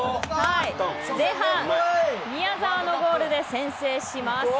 前半、宮澤のゴールで先制します。